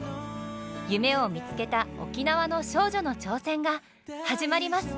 夢を見つけた沖縄の少女の挑戦が始まります！